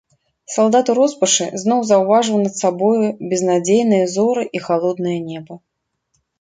Салдат у роспачы зноў заўважыў над сабою безнадзейныя зоры і халоднае неба.